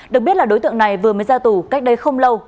được biết là đối tượng này vừa mới ra tù cách đây không lâu